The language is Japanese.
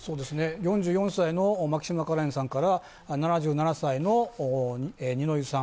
４４歳の牧島かれんさんから７７歳の二之湯さん